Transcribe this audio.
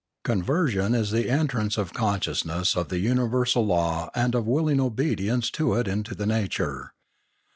Conversion is the entrance of consciousness of the universal law and of willing obedience to it into the nature.